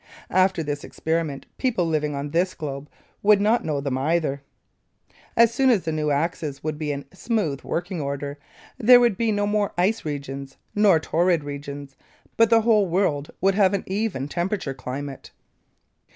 After this experiment people living on this globe would not know them either. As soon as the new axis would be in smooth working order there would be no more ice regions, nor torrid zones, but the whole world would have an even temperature climate.